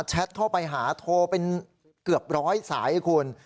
แท็ตเข้าไปหาโทรเป็นเกือบร้อยสายคุณ